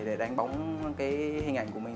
để đánh bóng hình ảnh của mình